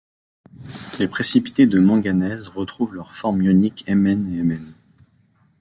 Les précipités de manganèse retrouvent leurs formes ioniques Mn et Mn.